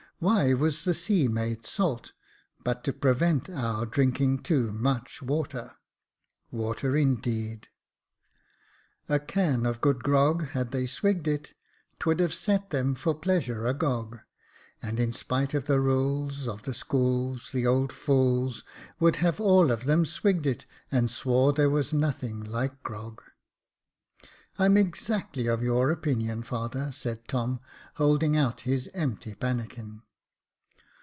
Why was the sea made salt, but to prevent our drinking too much water. Water, indeed !" A can of good grog, had they swigg'd it, T would have set them for pleasure agog. And in spite of the rules Of the schools, The old fools Would have all of them swigg'd it, And swore there was nothing like grog." '* I'm exactly of your opinion, father," said Tom, hold ing out his empty pannikin.